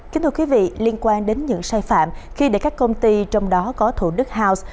kính thưa quý vị liên quan đến những sai phạm khi để các công ty trong đó có thủ đức house